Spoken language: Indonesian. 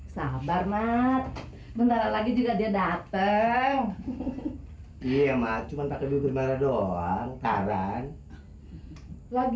sabar mat bentar lagi